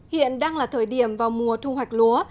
hiện đang là thời điểm vào mùa thu hoạch lúa